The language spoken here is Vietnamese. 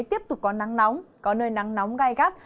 tiếp tục có nắng nóng có nơi nắng nóng gai gắt